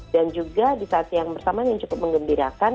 dan juga di saat yang bersamaan yang cukup mengembirakan